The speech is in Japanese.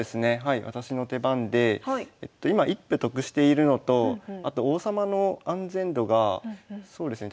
私の手番で今一歩得しているのとあと王様の安全度がそうですね